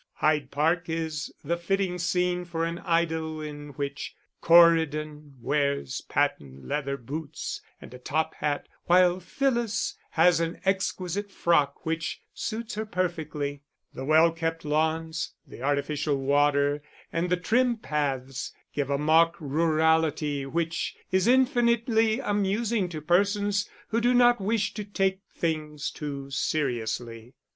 Hyde Park is the fitting scene for an idyll in which Corydon wears patent leather boots and a top hat, while Phyllis has an exquisite frock which suits her perfectly. The well kept lawns, the artificial water and the trim paths, give a mock rurality which is infinitely amusing to persons who do not wish to take things too seriously.